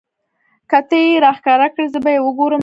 که تۀ یې راښکاره کړې زه به یې وګورمه.